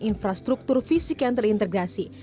infrastruktur fisik yang terintegrasi